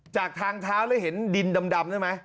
จากทางเท้าเลยเห็นดินดำใช่ไหม